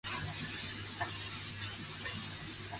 父亲为雾社事件日军大屠杀受害者。